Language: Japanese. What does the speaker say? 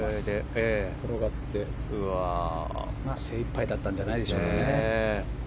精いっぱいだったんじゃないでしょうか。